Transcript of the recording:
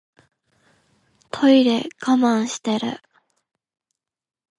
トイレ我慢してる